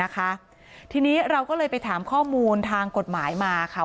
ทีนี้เราก็เลยไปถามข้อมูลทางกฎหมายมาค่ะ